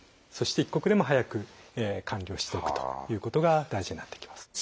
そして一刻でも早く管理をしておくということが大事になってきます。